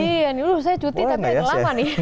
iya nih dulu saya cuti tapi lama nih